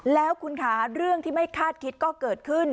แล้วคุณค่ะเรื่องที่ไม่คาดคิดก็เกิดขึ้น